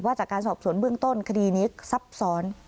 จากการสอบสวนเบื้องต้นคดีนี้ซับซ้อน